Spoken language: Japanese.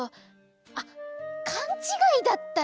あっかんちがいだったんじゃ。